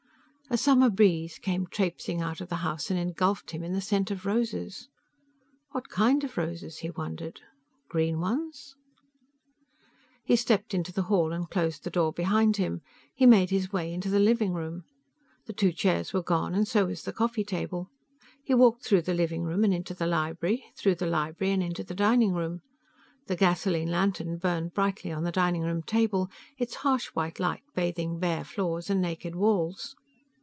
A summer breeze came traipsing out of the house and engulfed him in the scent of roses. What kind of roses? he wondered. Green ones? He stepped into the hall and closed the door behind him. He made his way into the living room. The two chairs were gone, and so was the coffee table. He walked through the living room and into the library; through the library and into the dining room. The gasoline lantern burned brightly on the dining room table, its harsh white light bathing bare floors and naked walls.